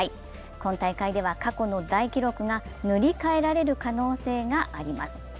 今大会では過去の大記録が塗り替えられる可能性があります。